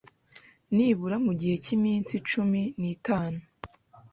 nibura mu gihe cy'iminsi cumi nitanu